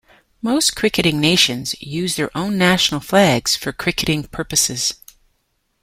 Most cricketing nations use their own national flags for cricketing purposes.